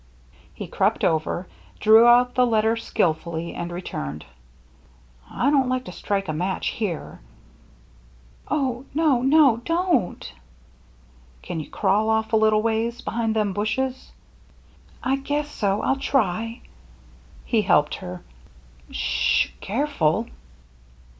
He crept over, drew out the letter skilfully, and re turned. "I don't like to strike a match here —" Oh, no, no — don't!" Can you crawl off a little ways — behind them bushes?" " I guess so ; I'll try." He helped her. "S sh — carefiil."